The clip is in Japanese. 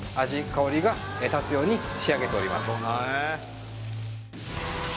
香りが立つように仕上げております